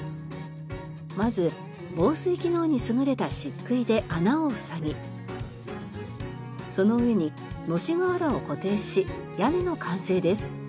まず防水機能に優れた漆喰で穴を塞ぎその上にのし瓦を固定し屋根の完成です。